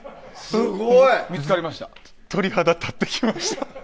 すごい、鳥肌立ってきました。